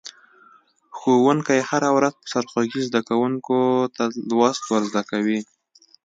ښوونکی هره ورځ په سرخوږي زده کونکو ته لوست ور زده کوي.